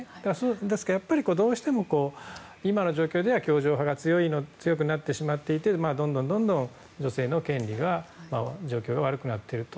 ですが、どうしても今の状況では教条派が強くなってしまっていてどんどん女性の権利の状況が悪くなってると。